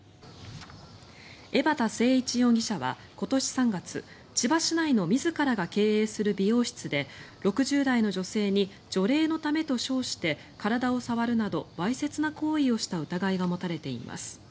江畑誠一容疑者は今年３月千葉市内の自らが経営する美容室で６０代の女性に除霊のためと称して体を触るなどわいせつな行為をした疑いが持たれています。